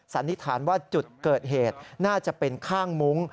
สันนิษฐานว่าจุดเกิดเหตุน่าจะเป็นข้างมุ้ง